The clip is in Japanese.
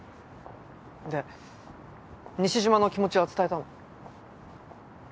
で西島の気持ちは伝えたの？